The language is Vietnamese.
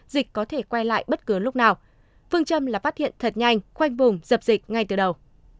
dịch có thể quay lại bất cứ lúc nào phương châm là phát hiện thật nhanh khoanh vùng dập dịch ngay từ đầu